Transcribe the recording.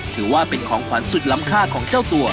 ถือว่าเป็นของขวัญสุดล้ำค่าของเจ้าตัว